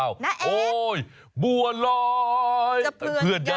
บัวลอยไปเผือนงานจะเพื่อนยาง